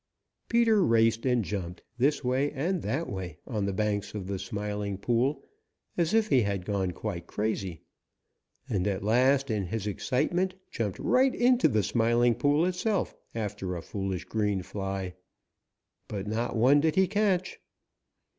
Peter raced and jumped this way and that way on the banks of the Smiling Pool as if he had gone quite crazy, and at last in his excitement jumped right into the Smiling Pool itself after a foolish green fly. But not one did he catch.